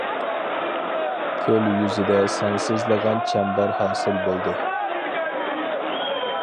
كۆل يۈزىدە سانسىزلىغان چەمبەر ھاسىل بولدى.